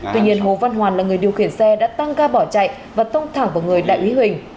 tuy nhiên hồ văn hoàn là người điều khiển xe đã tăng ca bỏ chạy và tông thẳng vào người đại úy huỳnh